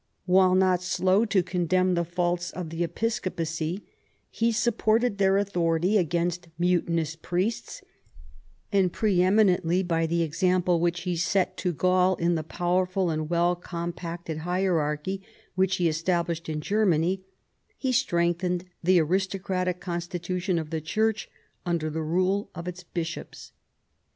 While not slow to condemn the faults of the episcopacy he supported their authority against muti nous priests: and pre eminently by the example which he set to Gaul in the powerful and well com pacted hierarchy which he established in Germany he strengthened the aristocratic constitution of the church under the rule of its bishops.